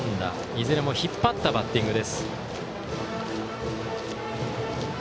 いずれも引っ張ったバッティング。